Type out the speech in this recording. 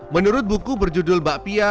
menurut buku berjudul bakpia